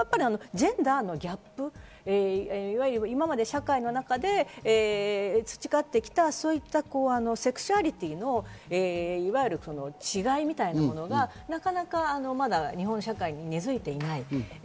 ジェンダーのギャップ、今まで社会の中で培ってきたセクシャリティーの、いわゆる違いみたいなものが、なかなか日本社会に根づいていない。